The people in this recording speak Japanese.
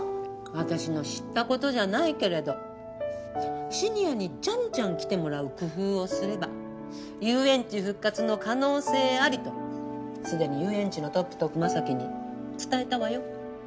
私の知ったことじゃないけれどシニアにじゃんじゃん来てもらう工夫をすれば遊園地復活の可能性ありとすでに遊園地のトップと熊咲に伝えたわよ。